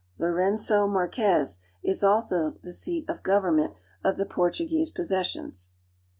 Lourengo Marquez is also the seat of government of the Portuguese possessions.